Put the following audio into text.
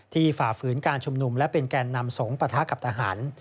ฝ่าฝืนการชุมนุมและเป็นแก่นนำสงฆ์ปะทะกับทหาร